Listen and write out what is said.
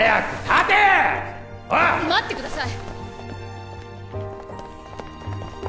待ってください！